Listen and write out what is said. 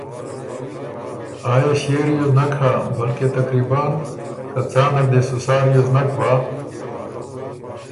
آ يې ݭيې ریوز نک هۀ بلکې تقریباً که څان نر دې سو سا ریوز نک بَۀ